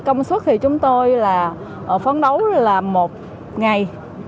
công suất thì chúng tôi là phấn đấu là một ngày